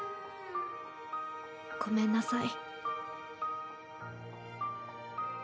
ごめんなさい。